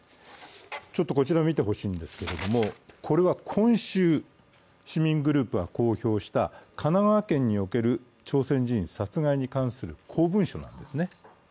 こちらを見てほしいんですけれども、これは今週、市民グループが公表した神奈川県における朝鮮人殺害に関する公文書なんですね。